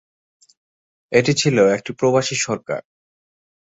এটি ছিল একটি প্রবাসী সরকার।